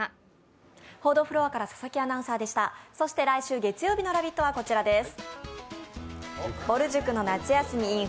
来週月曜日の「ラヴィット！」はこちらです。